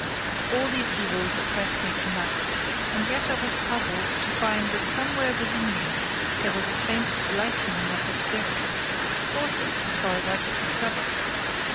All these evils oppressed me to night. And yet I was puzzled to find that somewhere within me there was a faint lightening of the spirits; causeless, as far as I could discover.